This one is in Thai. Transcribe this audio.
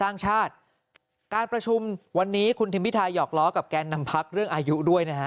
ในประชุมวันนี้คุณทิมพิทายอกล้อกับแกนำพักเรื่องอายุด้วยนะฮะ